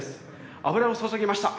油を注ぎました！